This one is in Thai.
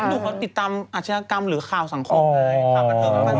ลูกเขาติดตามอาชญากรรมหรือข่าวสังคมเลย